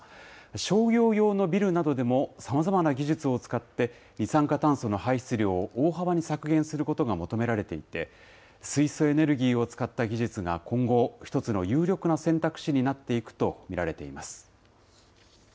商業用のビルなどでも、さまざまな技術を使って、二酸化炭素の排出量を大幅に削減することが求められていて、水素エネルギーを使った技術が今後、一つの有力な選択肢になっていくとみられています。